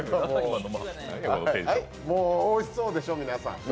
もうおいしそうでしょ、皆さん。